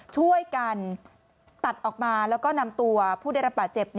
ช่วยกันตัดออกมาแล้วก็นำตัวผู้ได้รับบาดเจ็บ